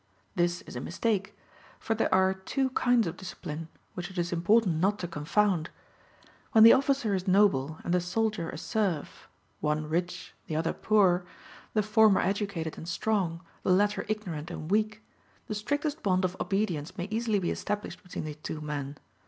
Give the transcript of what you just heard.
This is a mistake, for there are two kinds of discipline, which it is important not to confound. When the officer is noble and the soldier a serf one rich, the other poor the former educated and strong, the latter ignorant and weak the strictest bond of obedience may easily be established between the two men.